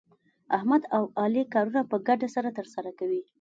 احمد او علي کارونه په ګډه سره ترسره کوي.